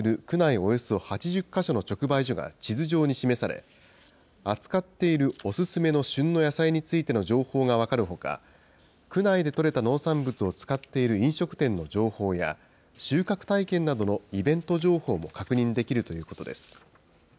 およそ８０か所の直売所が地図上に示され、扱っているお勧めの旬の野菜についての情報が分かるほか、区内で取れた農産物を使っている飲食店の情報や、収穫体験などのイベント情報も確認できるということです。